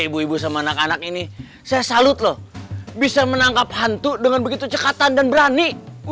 bisa menangkap hantu dengan begitu cekatan dan berani